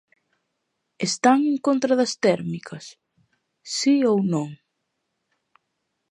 ¿Están en contra das térmicas?, ¿si ou non?